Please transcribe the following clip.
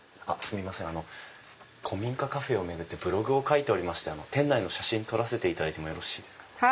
あの古民家カフェを巡ってブログを書いておりまして店内の写真撮らせていただいてもよろしいですか？